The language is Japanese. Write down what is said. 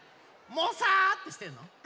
モサーってしてんの？